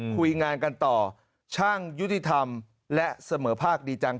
คุยงานกันต่อช่างยุติธรรมและเสมอภาคดีจัง